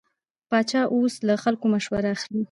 پاچا اوس له خلکو مشوره اخلي.